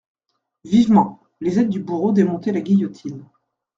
Vivement, les aides du bourreau démontaient la guillotine.